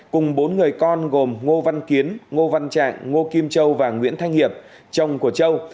cùng bốn người con gồm ngô văn kiến ngô văn trạng ngô kim châu và nguyễn thanh hiệp chồng của châu